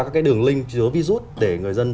các cái đường link chứa virus để người dân